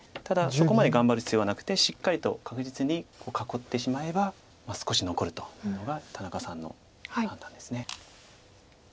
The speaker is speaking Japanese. ただそこまで頑張る必要はなくてしっかりと確実に囲ってしまえば少し残るというのが田中さんの判断です。